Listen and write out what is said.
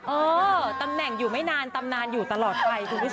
เออตำแหน่งอยู่ไม่นานตำนานอยู่ตลอดไปคุณผู้ชม